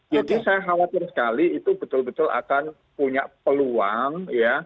saya khawatir sekali itu betul betul akan punya peluang ya